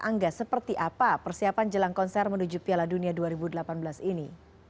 angga seperti apa persiapan jelang konser menuju piala dunia dua ribu delapan belas ini